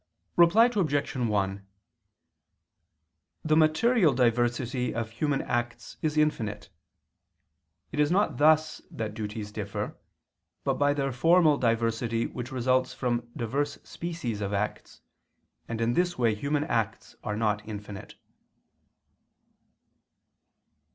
Reply Obj. 1: The material diversity of human acts is infinite. It is not thus that duties differ, but by their formal diversity which results from diverse species of acts, and in this way human acts are not infinite.